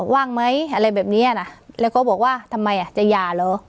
ว่างไหมอะไรแบบเนี้ยนะแล้วก็บอกว่าทำไมอ่ะจะหย่าเหรอ